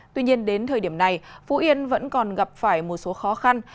tuy nhiên đến thời điểm này phú yên vẫn còn gặp phải một số khó khăn